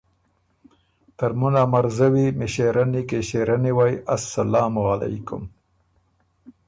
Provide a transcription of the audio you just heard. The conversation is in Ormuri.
” ترمُن ا مرزوی، مݭېرنی، کِݭېرنی وئ اسلام علېکم!